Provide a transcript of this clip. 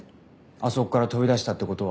あそこから飛び出したって事は。